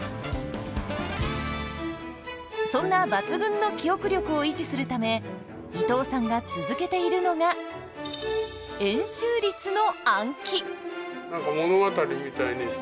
そんな抜群の記憶力を維持するため伊東さんが続けているのが円周率の暗記。